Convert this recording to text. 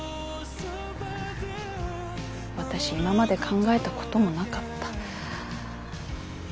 私今まで考えたこともなかった。